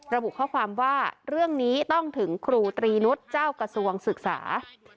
ระบุข้อความว่าเรื่องนี้ต้องถึงครูตรีนุษย์เจ้ากระทรวงศึกษา